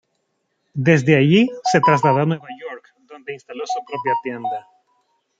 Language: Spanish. Desde allí se trasladó a Nueva York, donde instaló su propia tienda.